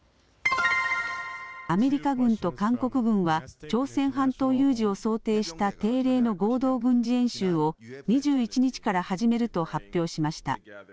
アメリカ軍と韓国軍は朝鮮半島有事を想定した定例の合同軍事演習を２１日から始めると発表しました。